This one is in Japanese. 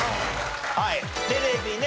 はいテレビね。